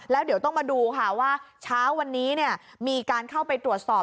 แล้วเดี๋ยวต้องมาดูค่ะว่าเช้าวันนี้มีการเข้าไปตรวจสอบ